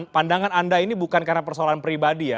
pandangan anda ini bukan karena persoalan pribadi ya